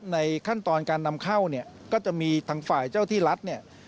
ในขั้นตอนการนำเข้าเนี่ยก็จะมีทางฝ่ายเจ้าที่รัฐเนี่ย